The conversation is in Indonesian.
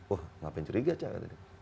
wah kenapa yang curiga cak